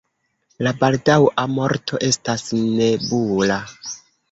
La baldaŭa morto estas nebula.